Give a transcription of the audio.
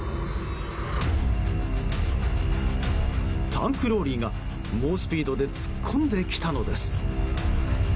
タンクローリーが、猛スピードで突っ込んできたのです。